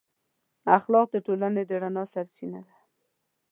اخلاق د ټولنې د رڼا سرچینه ده.